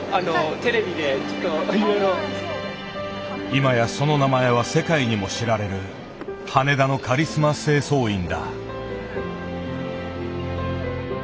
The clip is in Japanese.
今やその名前は世界にも知られる羽田のカリスマ清掃員だ。